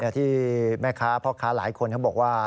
ที่แม่ค้าพ่อค้าหลายคนเขาบอกว่า